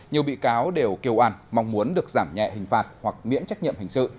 nhiều bị cáo đều kêu an mong muốn được giảm nhẹ hình phạt hoặc miễn trách nhiệm hình sự